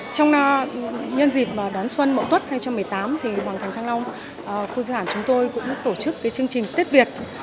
trong nhân dịp đón xuân mậu tuất hai nghìn một mươi tám thì hoàng thành thăng long khu di sản chúng tôi cũng đã tổ chức cái chương trình tết việt